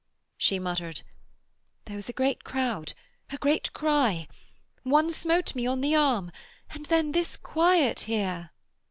She muttered: 'There was a great crowd, a great cry. One smote me on the arm. And then this quiet here.'